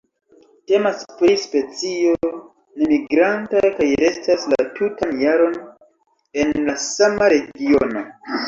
Temas pri specio nemigranta kaj restas la tutan jaron en la sama regiono.